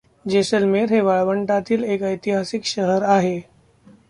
जेसलमेर हे वाळवंटातील एक ऐतिहासिक शहर आहे.